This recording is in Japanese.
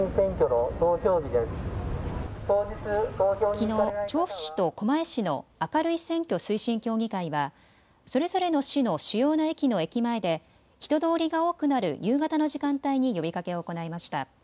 きのう、調布市と狛江市の明るい選挙推進協議会はそれぞれの市の主要な駅の駅前で人通りが多くなる夕方の時間帯に呼びかけを行いました。